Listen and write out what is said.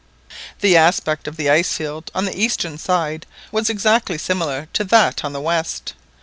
The aspect of the ice field on the eastern side was exactly similar to that on the west.